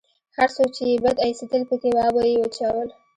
هر څوک چې يې بد اېسېدل پکښې وابه يې چول.